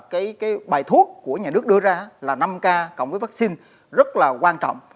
cái bài thuốc của nhà nước đưa ra là năm k cộng với vaccine rất là quan trọng